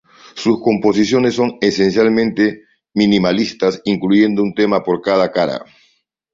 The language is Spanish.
Sus composiciones son esencialmente minimalistas incluyendo un tema por cada cara.